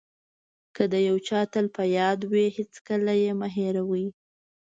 که د یو چا تل په یاد وئ هغه هېڅکله مه هیروئ.